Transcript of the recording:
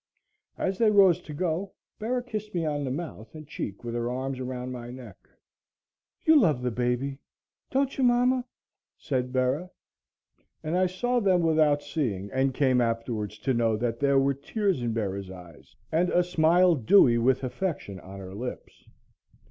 As they arose to go, Bera kissed me on the mouth and cheek with her arms around my neck. "You love the baby, don't you mama?" said Bera, and I saw then, without seeing, and came afterwards to know that there were tears in Bera's eyes and a smile dewy with affection on her lips.